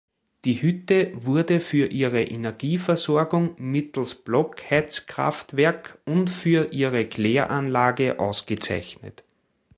Die Hütte wurde für ihre Energieversorgung mittels Blockheizkraftwerk und für ihre Kläranlage ausgezeichnet.